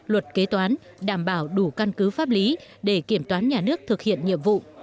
luật kế toán đảm bảo đủ căn cứ pháp lý để kiểm toán nhà nước thực hiện nhiệm vụ